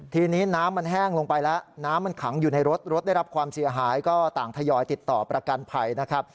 ทีนี้น้ำมันแห้งลงไปแล้วน้ำมันขังอยู่ในรถรถได้รับความเสียหายก็ต่างทยอยติดต่อประกันภัยนะครับ